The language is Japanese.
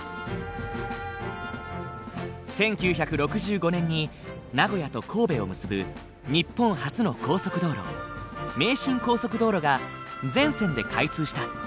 １９６５年に名古屋と神戸を結ぶ日本初の高速道路名神高速道路が全線で開通した。